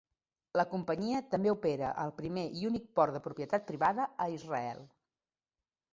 La companyia també opera el primer i únic port de propietat privada a Israel.